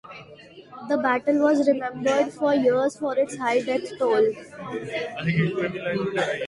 The battle was remembered for years for its high death toll.